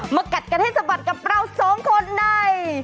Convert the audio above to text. กัดกันให้สะบัดกับเราสองคนใน